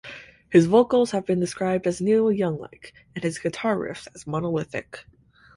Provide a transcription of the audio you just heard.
His vocals have been described as "Neil Young-like" and his guitar riffs as "monolithic".